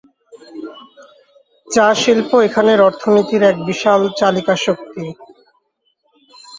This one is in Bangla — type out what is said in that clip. চা শিল্প এখানের অর্থনীতির এক বিশাল চালিকা শক্তি।